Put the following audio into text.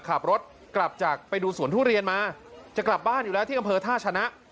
ขับรถกลับจากไปดูสวนทุเรียนมาจะกลับบ้านอยู่แล้วที่อำเภอท่าชนะ